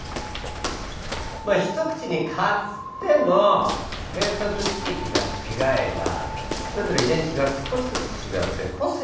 まあ一口に蚊つっても生息地域が違えばそれぞれ遺伝子が少しずつ違って個性がある。